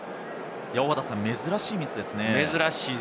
珍しいミスですね。